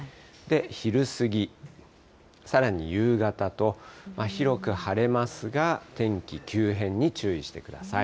昼過ぎ、さらに夕方と、広く晴れますが、天気急変に注意してください。